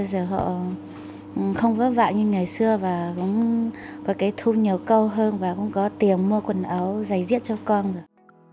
bây giờ họ không vất vạng như ngày xưa và cũng có cái thu nhiều câu hơn và cũng có tiền mua quần áo giấy diễn cho con rồi